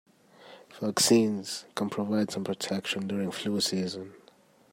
Vaccines can provide some protection during flu season.